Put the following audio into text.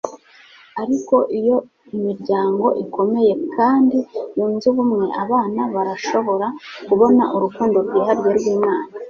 ariko iyo imiryango ikomeye kandi yunze ubumwe, abana barashobora kubona urukundo rwihariye rw'imana